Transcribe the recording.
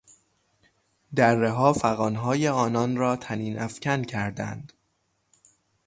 درهها فغانهای آنان را طنینافکن کردند.